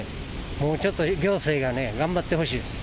もうちょっと行政がね、頑張ってほしいです。